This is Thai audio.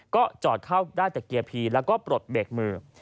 ก็จอดเข้าได้แต่เกียร์พีแล้วก็ปลดเบรกมือ